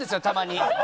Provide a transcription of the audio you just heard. たまに。